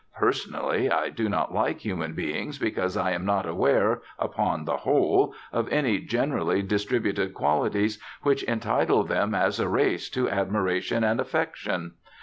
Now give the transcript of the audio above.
Personally, I do not like human beings because I am not aware, upon the whole, of any generally distributed qualities which entitle them as a race to admiration and affection.